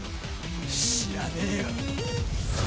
知らねえよ。